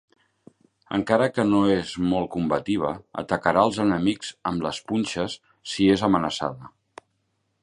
Encara que no és molt combativa, atacarà els enemics amb les punxes si és amenaçada.